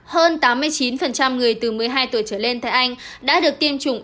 hơn tám mươi chín người từ một mươi hai tuổi trở lên tại anh đã được tiêm chủng